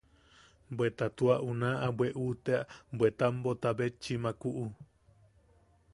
Bweta tua unna bweʼu tea bwe tambota bechi jumakuʼu.